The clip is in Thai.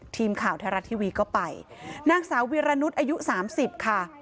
ทีมข่าวไทยรัฐทีวีก็ไปนางสาววิรนุษย์อายุสามสิบค่ะ